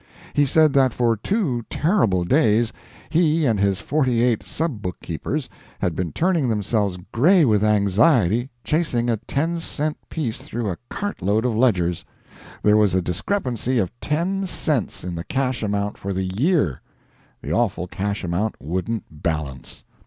He said that for two terrible days he and his 48 sub bookkeepers had been turning themselves gray with anxiety chasing a ten cent piece through a cart load of ledgers—there was a discrepancy of ten cents in the cash account for the year—the awful cash account wouldn't balance!